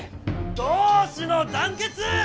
同志の団結！